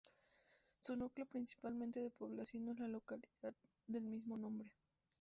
Su núcleo principal de población es la localidad del mismo nombre.